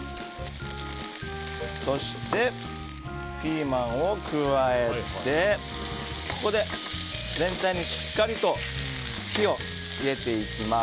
そして、ピーマンを加えてここで全体にしっかりと火を入れていきます。